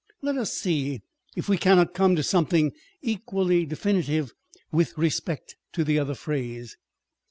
Let us see if we cannot come to something equally defini tive with respect to the other phrase.